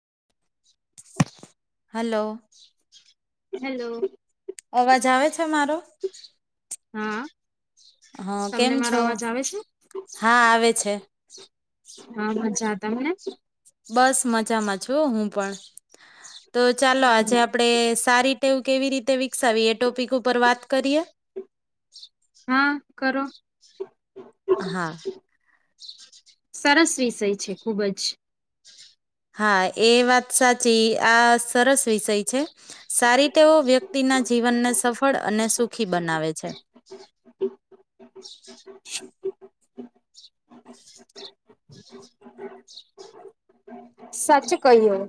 [unintelligible] Hello. Hello. અવાજ આવે છે મારો? હા. હા તમને કેમ મારો છો અવાજ આવે છે હા આવે છે. હા મત જાતા હું ને. બસ મજામાં છું હું પણ તો ચાલો આજે આપડે સારી તેવું કેવી રીતે વિકસાવી એ ટોપિક ઉપર વાત કરીએ. હા કરો. હા સરસ વિષય છે ખુબ જ. હા એ વાત સાચી આ સરસ વિષય છે સારી ટેવોઓ વ્યક્તિ. ના જીવનને સફળ અને સુખી બનાવે છે. [inaudible] સાચું ક્યું.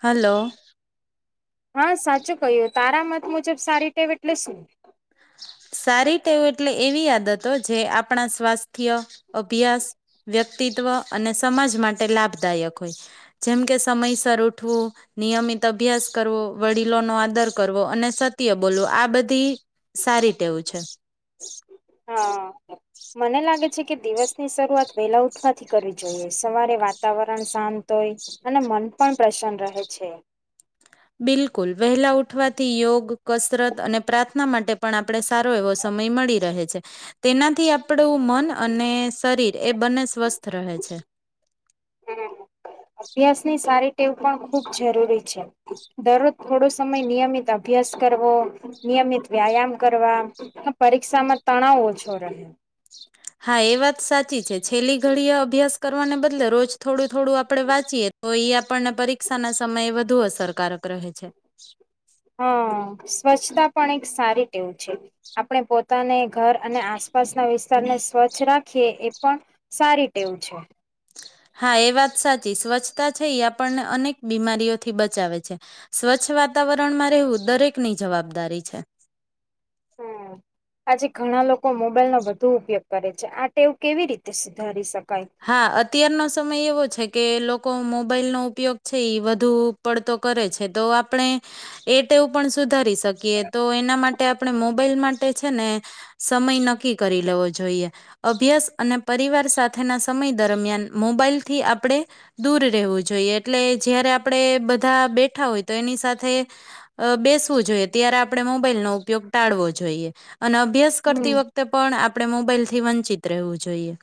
હલો. હા સાચું કયું તારા મત મુજબ સારી ટેવ એટલે શું. સારી ટેવ એટલે એવી આદતો જે આપણા સ્વાસ્થ્ય અભ્યાસ વ્યક્તિ [unintelligible] અને સમાજ માટે લાભદાયક હોય જેમ કે સમયસર ઉઠવું નિયમિત અભ્યાસ કરવો વડીલો નો આદર કરવો અને સત્ય બોલવો આ બધી સારી ટેવ છે. હા મને લાગે છે કે દિવસ ની શરૂઆત વેલા ઉઠવાથી કરવી જોઈએ સવારે વાતાવરણ શાંત. હોય અને મન પણ પ્રસન્ન રહે છે. બિલકુલ વહેલા ઉઠવાથી યોગ કસરત અને પ્રાર્થના માટે પણ આપણેે સારો એવો સમ સમય મળી રહે છે તેનાથી આપણું મન અને શરીર એ બંને સ્વસ્થ રહે છે. હમ. અભ્યાસ ની સારી ટેવ પણ ખૂબ જરૂરી છે દરરોજ થોડો સમય નિયમિત અભ્યાસ કરો નિયમિત વ્યાયામ કરવા પરીક્ષામાં તણાવ ઓછો રહે. હા એ વાત સાચી છે છેલ્લી ઘડી અભ્યાસ કરવાને બદલે રોજ થોડું થોડું આપડણે વાંચીએ તો એ આપણને પરીક્ષાના સમયે વધુ અસરકારક રહે છે. હમ સ્વચ્છતા પણ એક સારી ટેવ છે આપણે પોતાને ઘર અને આસપાસના વિસ્તારને સ્વચ્છ રાખીએ એ પણ સારી ટેવ છે. હા એ વાત સાચી સ્વચ્છતા છે એ આપણને અનેક બીમારીઓથી બચાવે છે. સ્વચ્છ વાતાવરણમાં રહેવું દરેક ની જવાબદારી છે. હમ્મ. આજે ઘણા લોકો મોબાઈલ નો વધુ ઉપયોગ કરે છે આ ટેવું કેવી રીતે સુધારી શકે. હા અત્યારનો સમય એવો છે કે લો કો મોબાઈલ નો ઉપયોગ છે ઈ વધુ પડતો કરે છે તો આપણે એ ટેવ પણ સુધારી શકીએ તો એના માટે આપણે મોબાઈલ માટે છે ને સમય નક્કી કરી લેવો જો ઈએ અભ્યાસ અને પરિવાર સાથે ના સમય દરમિયાન મોબાઈલથી આપણે દૂર રહેવું જોઈએ એટલે જયારે આપણે બધા બેઠા હોય તો એની સાથે અ બેસવું જોઈએ ત્યારે આપણે મોબાઈલ નો ઉપયોગ ટાળવો જોઈએ. અને અભ્યાસ હમ કરતી વખતે પણ આપણે મોબાઈલથી વંચિત રહેવું જોઈએ.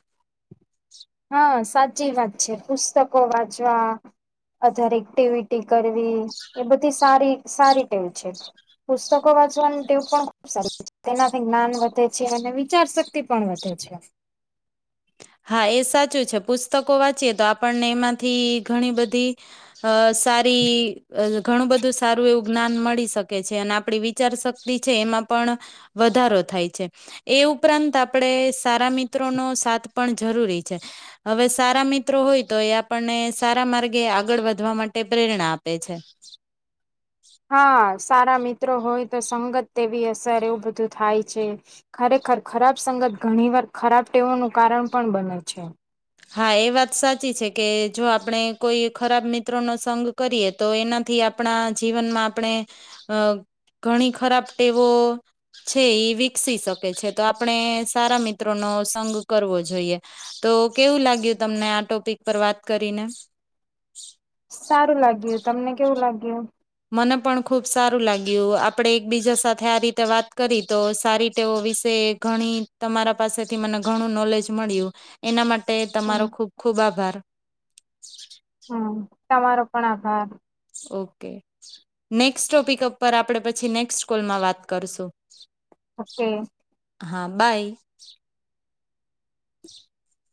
હન, સાચી વાત છે. પુસ્તકો વાંચવા, અધર એક્ટિવિટી કરવી એ બધી સારી સારી ટેવ છે. પુસ્તકો વાંચવાની ટેવ પણ ખુબ સારી તેનાથી જ્ઞાન વધે છે અને વિચાર શક્તિ પણ વધે છે. હા એ સાચું છે પુસ્તકો વાંચીએ તો આપણને એમાંથી ઘણી બધી અ સારી ઘણું બધું સારું એવું જ્ઞાન મળી શકે છે અને આપણી વિચારશક્તિ છે એમાં પણ વધારો થાય છે એ ઉપરાંત આપણે સારા મિત્રો નો સાથ પણ જરૂરી છે હવે સારા મિત્રો હોય તો એ આપણને સારા માર્ગે આગળ વધવા માટે તે પ્રેરણા આપે છે. [inaudible] હા સારા મિત્રો હોય તો સંગત તેવી અસર એવું બધું થાય છે. ખરેખર ખરાબ સંગત ઘણી વાર ખરાબ ટેવોનું કારણ પણ બને છે. હા એ વાત સાચી છે કે જો આપણે કોઈ ખરાબ મિત્રોનો સંઘ કરીએ તો એનાથી આપણા જીવનમાં આપણે અ ઘણી ખરાબ ટેવો છે ઈ વિકસી શકે છે તો આપણે સારા મિત્રોનો સંગ કરવો જોઈએ તો કેવું લાગ્યું? તમને આ ટોપિક પર વાત કરીને. સારું લાગ્યું. તમને કેવું લાગ્યું? મને પણ ખુબ સારું લાગ્યું, આપડે એકબીજા સાથે આ રીતે વાત કરી તો સારી ટેવો વિશે બે ઘણી તમારા પાસેથી મને ઘણું નોલેજ મળ્યું, એના માટે તે તમારો હમ ખુબ ખુબ આભાર. હમ, તમારો પણ આભાર. ઓકે. નેક્સ્ટ ટોપિક અપર આપડે પછી નેક્સ્ટ કોલમાં વાત કરશું. ઓકે. હા, બાય. [inaudible]